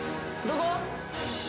どこ？